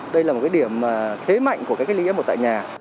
đây là một cái điểm thế mạnh của cái cách ly f một tại nhà